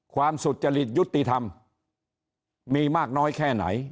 สุจริตยุติธรรมมีมากน้อยแค่ไหน